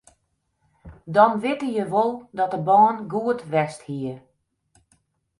Dan witte je wol dat de bân goed west hie.